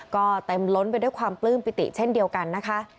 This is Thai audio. ก็เต็มล้นไปด้วยความปลื้มปิติเช่นเดียวกันนะคะ